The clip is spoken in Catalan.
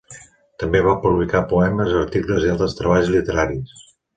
També va publicar poemes, articles i altres treballs literaris.